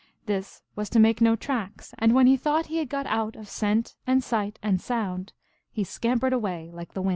This was to make no tracks, and when he thought he had got out of scent and sight and sound he scampered away like the wind.